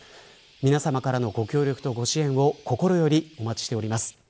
皆さまからのご協力とご支援を心よりお待ちしております。